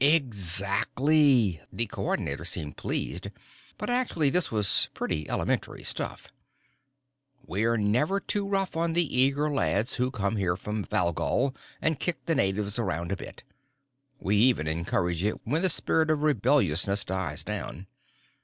"Exactly!" The Coordinator seemed pleased, but, actually, this was pretty elementary stuff. "We're never too rough on the eager lads who come here from Valgol and kick the natives around a bit. We even encourage it when the spirit of rebelliousness dies down."